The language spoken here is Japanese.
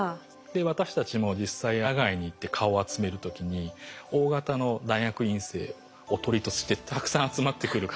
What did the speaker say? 私たちも実際野外に行って蚊を集める時にＯ型の大学院生おとりとしてたくさん集まってくる蚊をですね